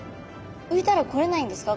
ういたら来れないんですか？